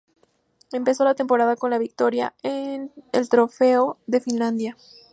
Empezó la temporada con una victoria en el Trofeo de Finlandia.